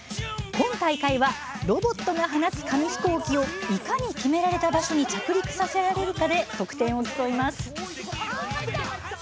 今大会はロボットが放つ紙飛行機をいかに決められた場所に着陸させられるかで得点を競います。